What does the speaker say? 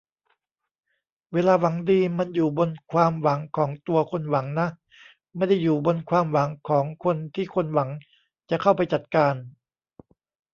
เวลา หวังดี มันอยู่บนความหวังของตัวคนหวังนะ ไม่ได้อยู่บนความหวังของคนที่คนหวังจะเข้าไปจัดการ